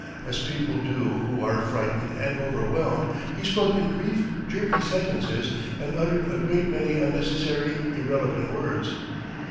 As people always do who are frightened and overwhelmed, he spoke in brief, jerky sentences and uttered a great many unnecessary, irrelevant words.